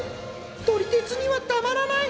撮り鉄にはたまらない